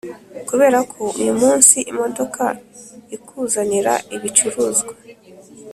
kubera ko uyumunsi imodoka ikuzanira ibicuruzwa